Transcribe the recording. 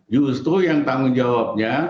justru yang tanggung jawabnya